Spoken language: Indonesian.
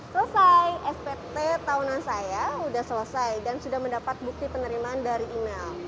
selesai spt tahunan saya sudah selesai dan sudah mendapat bukti penerimaan dari email